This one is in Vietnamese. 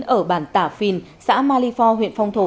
ở bản tả phìn xã malifor huyện phong thổ